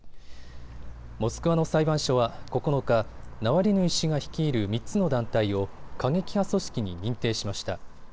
モスクワの裁判所は９日、ナワリヌイ氏が率いる３つの団体を過激派組織に認定しました。